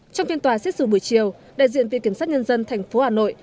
trong phiên tòa xét xử buổi chiều đại diện viện kiểm sát nhân dân tp hà nội